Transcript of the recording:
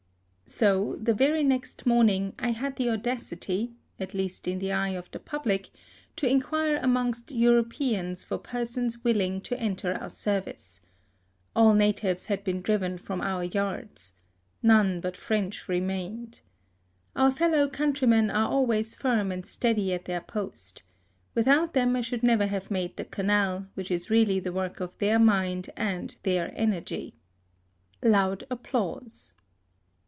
So the very next morning I had the audacity, at least in the eyes of the public, to inquire amongst Europeans for persons willing to enter our service. All natives had been driven from our, yards. None but French remained. Our fellow countrymen are always firm and steady at their post. Without them I should never have made the Canal, which is really the work of their mind and their energy. (Loud applause.)